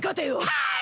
はい！